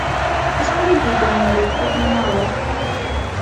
Acḥal i d-yegran n lweqt akken ad naweḍ?